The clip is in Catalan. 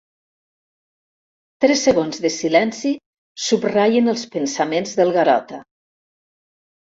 Tres segons de silenci subratllen els pensaments del Garota.